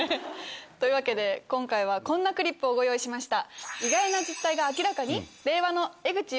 というわけで今回はこんなクリップをご用意しました。